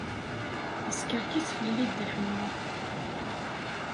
Yeskerkes fell-i Dda Ḥemmu.